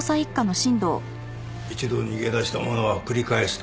一度逃げ出した者は繰り返すと。